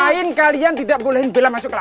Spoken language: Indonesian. ngapain kalian tidak bolehin bella masuk kelas